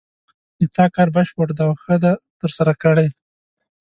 د تا کار بشپړ ده او ښه د ترسره کړې